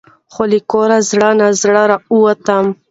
خو له کوره زړه نا زړه راوتم .